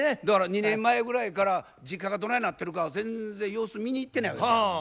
だから２年前ぐらいから実家がどないなってるかは全然様子見に行ってないわけ。